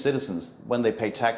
ketika mereka membeli tax